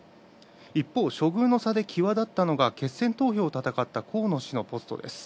一方、処遇の差で際立ったのが決選投票を戦った河野氏のポストです。